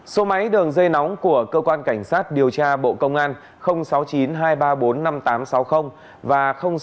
số máy đường dây nóng của cơ quan cảnh sát điều tra bộ công an sáu mươi chín hai trăm ba mươi bốn năm nghìn tám trăm sáu mươi và sáu mươi chín hai trăm ba mươi hai một nghìn sáu trăm